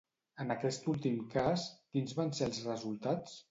En aquest últim cas, quins van ser els resultats?